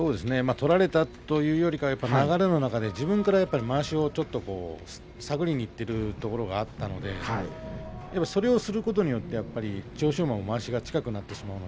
取られたということよりも自分からまわしを探りにいくところがあったのでそれをすることによって千代翔馬もまわしが近くなってしまいます。